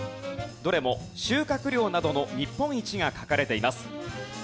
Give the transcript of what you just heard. どれも収穫量などの日本一が書かれています。